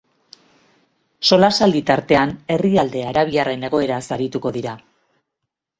Solasaldi tartean herrialde arabiarren egoeraz arituko dira.